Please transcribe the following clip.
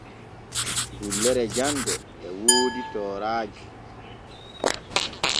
Dullere jande e woodi tooraaji.